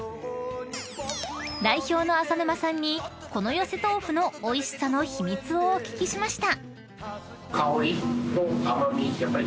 ［代表の浅沼さんにこのよせとうふのおいしさの秘密をお聞きしました］